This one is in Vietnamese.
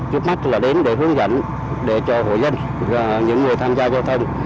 trước mắt là đến để hướng dẫn để cho hội dân và những người tham gia giao thông